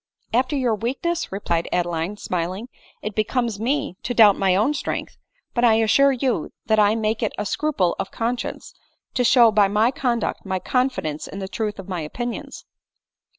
" After your weakness," replied Adeline, smiling, " it becomes me to doubt my own strength ; but 1 assure you that I make it a scruple of conscience, to show by my conduct my confidence in the truth of my opinions."